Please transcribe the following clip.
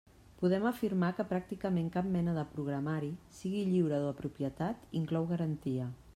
Podem afirmar que pràcticament cap mena de programari, sigui lliure o de propietat, inclou garantia.